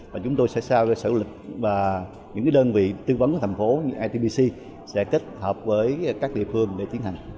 và chúng tôi sẽ xã hội du lịch và những đơn vị tư vấn của thành phố như itbc sẽ kết hợp với các địa phương để tiến hành